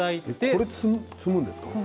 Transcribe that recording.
これを摘むんですか。